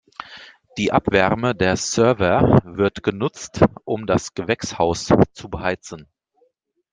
Die Abwärme der Server wird genutzt, um das Gewächshaus zu beheizen.